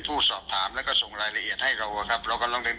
ผู้สอบถามแล้วก็ส่งรายละเอียดให้เราอะครับเราก็ร้องเรียน